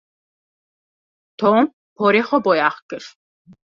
Tom porê xwe boyax kir.